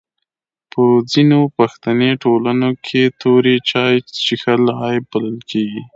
په ځینو پښتني ټولنو کي توري چای چیښل عیب بلل کیږي.